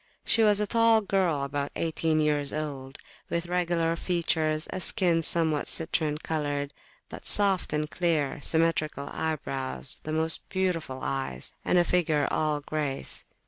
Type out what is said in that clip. She was a tall girl, about eighteen years old, with regular features, a skin somewhat citrine coloured, but soft and clear, symmetrical eyebrows, the most beautiful eyes, and a figure all grace.